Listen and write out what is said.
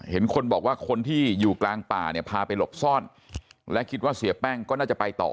เห็นคนบอกว่าคนที่อยู่กลางป่าเนี่ยพาไปหลบซ่อนและคิดว่าเสียแป้งก็น่าจะไปต่อ